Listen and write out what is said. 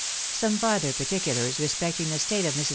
SOME FARTHER PARTICULARS RESPECTING THE STATS OF MRS.